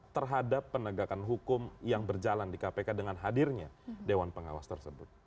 terhadap penegakan hukum yang berjalan di kpk dengan hadirnya dewan pengawas tersebut